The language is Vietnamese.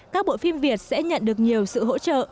các bộ phim việt sẽ nhận được nhiều sự hỗ trợ